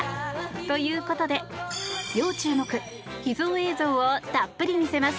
ということで要注目秘蔵映像をたっぷり見せます。